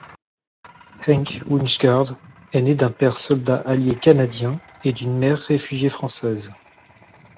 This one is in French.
Henk Wijngaard est né d'un père soldat allié canadien et d'une mère réfugiée française.